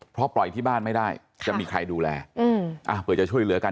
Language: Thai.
เพราะปล่อยที่บ้านไม่ได้จะมีใครดูแลเผื่อจะช่วยเหลือกัน